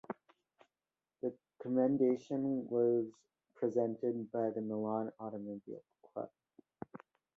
The commendation was presented by the Milan Automobile Club.